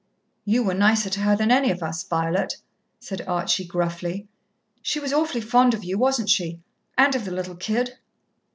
"You were nicer to her than any of us, Violet," said Archie gruffly. "She was awfully fond of you, wasn't she, and of the little kid?"